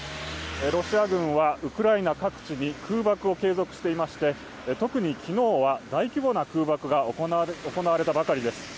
ロシア軍はウクライナ各地に空爆を継続していまして特に昨日は大規模な空爆が行われたばかりです。